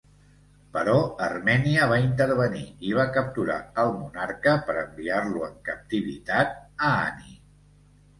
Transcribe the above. Però Armènia va intervenir i va capturar el monarca per enviar-lo en captivitat a Ani.